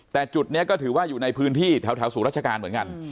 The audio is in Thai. แต่จุดนี้ก็ถือว่าอยู่ในพื้นที่แถวศูนย์ราชการเหมือนกัน